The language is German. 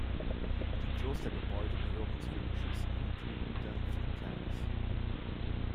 Die Klostergebäude gehören zu den geschützten Kulturgütern von Kerns.